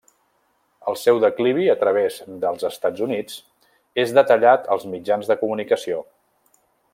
El seu declivi a través dels Estats Units és detallat als mitjans de comunicació.